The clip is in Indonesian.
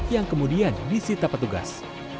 yang kemudian disita pertugas